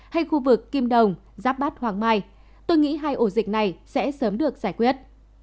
hay khu vực kim đồng giáp bát hoàng mai tôi nghĩ hai ổ dịch này sẽ sớm được giải quyết